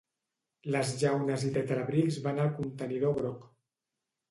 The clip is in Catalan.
Les llaunes i tetrabrics van al contenidor groc.